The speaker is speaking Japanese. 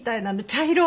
「茶色」